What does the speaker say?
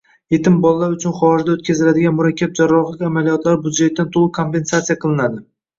Yetim bolalar uchun xorijda o‘tkaziladigan murakkab jarrohlik amaliyotlari budjetdan to‘liq kompensatsiya qilinadi